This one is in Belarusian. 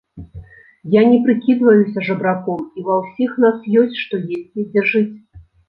Я не прыкідваюся жабраком, і ва ўсіх у нас ёсць што есці, дзе жыць.